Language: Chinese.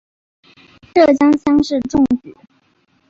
浙江乡试中举。